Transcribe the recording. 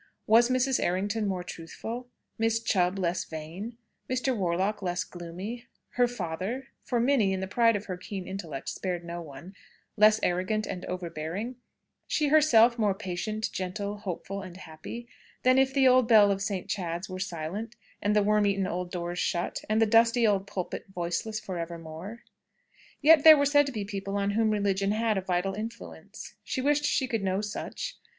Was Mrs. Errington more truthful; Miss Chubb less vain; Mr. Warlock less gloomy; her father (for Minnie, in the pride of her keen intellect, spared no one) less arrogant and overbearing; she herself more patient, gentle, hopeful, and happy, than if the old bell of St. Chad's were silent, and the worm eaten old doors shut, and the dusty old pulpit voiceless, for evermore? Yet there were said to be people on whom religion had a vital influence. She wished she could know such.